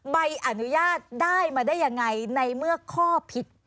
ใบอนุญาตได้มาได้ยังไงในเมื่อข้อผิด